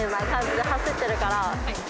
で走ってるから。